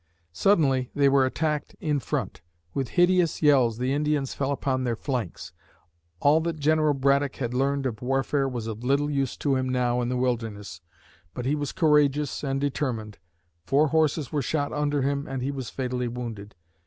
Suddenly, they were attacked in front! With hideous yells, the Indians fell upon their flanks. All that General Braddock had learned of warfare was of little use to him now in the wilderness, but he was courageous and determined. Four horses were shot under him and he was fatally wounded.